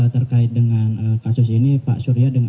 terkait dengan kasus ini pak surya dengan